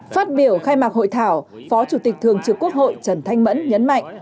phát biểu khai mạc hội thảo phó chủ tịch thường trực quốc hội trần thanh mẫn nhấn mạnh